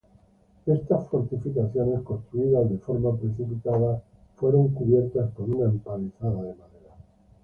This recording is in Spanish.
Estas fortificaciones construidas de forma precipitada, fueron cubiertos con una empalizada de madera.